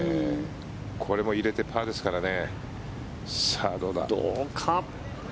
これも入れてパーですからね。